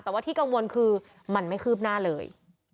แต่ว่าที่กังวลคือมันไม่คืบหน้าเลย